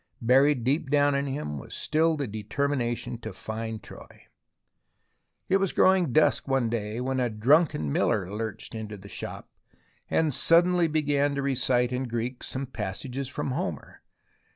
Buried deep down in him was still the determination to find Troy. It was growing dusk one day when a drunken miller lurched into the shop, and suddenly began to recite in Greek some passages from Homer.